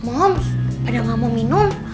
om ada gak mau minum